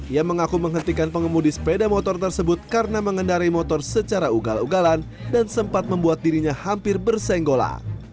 ia mengaku menghentikan pengemudi sepeda motor tersebut karena mengendari motor secara ugal ugalan dan sempat membuat dirinya hampir bersenggola